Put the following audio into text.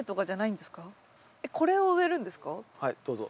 はいどうぞ。